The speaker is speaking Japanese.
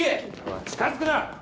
近づくな！